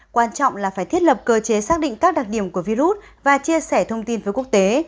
quan trọng là phải thiết lập cơ chế xác định các đặc điểm của virus và chia sẻ thông tin với quốc tế